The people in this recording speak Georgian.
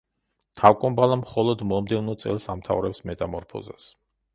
თავკომბალა მხოლოდ მომდევნო წელს ამთავრებს მეტამორფოზს.